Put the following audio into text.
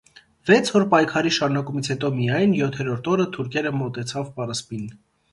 Վեց օր պայքարի շարունակումից հետո միայն յոթերորդ օրը թուրքերը մոտեցավ պարսպին։